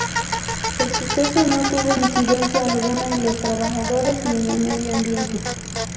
El suceso no tuvo incidencia alguna en los trabajadores ni en el medio ambiente.